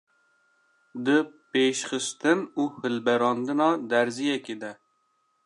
di pêşxistin û hilberandina derziyekê de.